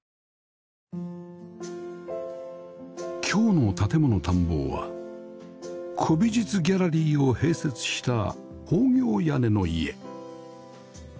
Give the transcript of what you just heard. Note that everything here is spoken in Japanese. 今日の『建もの探訪』は古美術ギャラリーを併設した方形屋根の家